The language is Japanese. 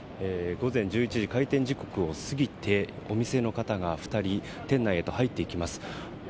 午前１１時、開店時刻を過ぎてお店の方が２人、店内へと入っていきます。